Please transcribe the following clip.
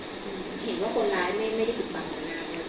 เห็นว่าคนร้ายไม่ได้ผิดบังหรือเปล่า